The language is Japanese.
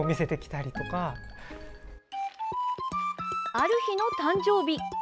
ある日の誕生日。